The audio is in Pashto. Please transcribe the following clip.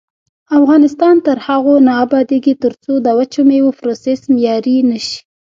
افغانستان تر هغو نه ابادیږي، ترڅو د وچو میوو پروسس معیاري نشي.